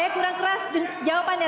saya kurang keras jawabannya